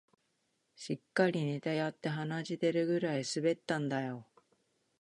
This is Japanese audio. しっかりネタやって鼻血出るくらい滑ったんだよ